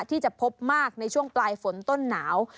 ที่จะพบมากในช่วงปลายฝนต้นหนาว